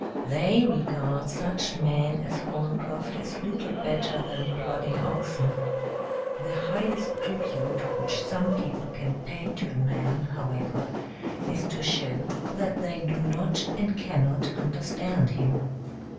They regard such men as Holcroft as little better than plodding oxen. The highest tribute which some people can pay to a man, however, is to show that they do not and cannot understand him.